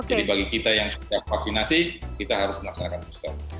jadi bagi kita yang sudah vaksinasi kita harus melaksanakan booster